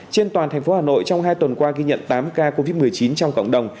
trên toàn thành phố hà nội trong hai tuần qua ghi nhận tám ca covid một mươi chín trong cộng đồng